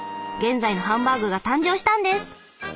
現在のハンバーグが誕生したんです。